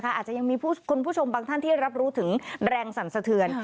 อาจจะมีคุณผู้ชมบางท่านที่รับรู้ถึงแรงสังเสลิม